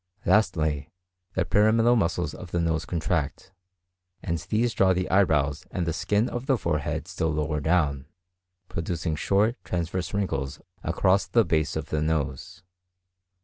Lastly, the pyramidal muscles of the nose contract; and these draw the eyebrows and the skin of the forehead still lower down, producing short transverse wrinkles across the base of the nose.